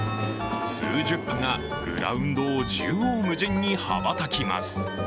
数十羽がグラウンドを縦横無尽に羽ばたきます。